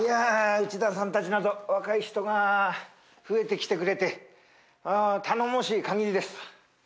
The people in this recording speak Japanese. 内田さんたちなど若い人が増えてきてくれて頼もしいかぎりです。